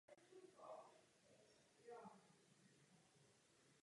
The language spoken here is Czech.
Ve třicátých letech se stal jedním z nejpopulárnějších sovětských spisovatelů.